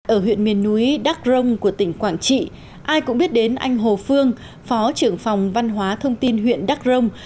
ở huyện miền núi đắc rông của tỉnh quảng trị ai cũng biết đến anh hồ phương phó trưởng phòng văn hóa thông tin huyện đắc rông